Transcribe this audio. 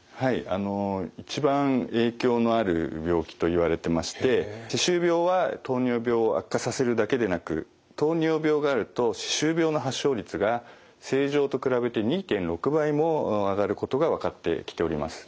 あの一番影響のある病気といわれてまして歯周病は糖尿病を悪化させるだけでなく糖尿病があると歯周病の発症率が正常と比べて２．６倍も上がることが分かってきております。